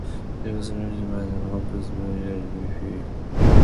It was written and composed by Gerard Le Feuvre.